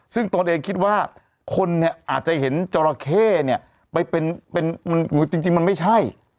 ซึ่งตัวเองคิดว่าคนอาจจะเห็นจอราเคนี่จริงมันไม่ใช่